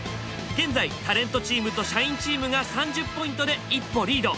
現在タレントチームと社員チームが３０ポイントで一歩リード。